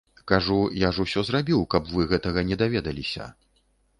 Кажу, я ж усё зрабіў, каб вы гэтага не даведаліся.